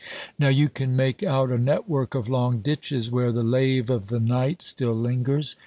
Now you can make out a network of long ditches where the lave of the night still lingers.